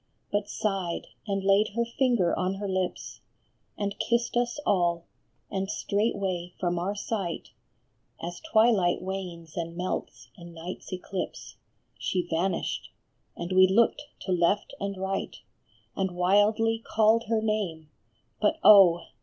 But sighed, and laid her finger on her lips, And kissed us all, and straightway from our sight, As twilight wanes and melts in night s eclipse, She vanished, and we looked to left and right, And wildly called her name, but, oh